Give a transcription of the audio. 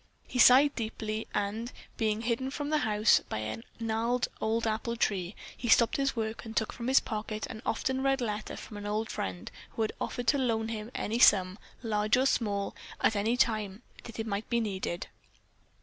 He sighed deeply, and, being hidden from the house by a gnarled old apple tree, he stopped his work and took from his pocket an often read letter from an old friend who had offered to loan him any sum, large or small, at any time that it might be needed.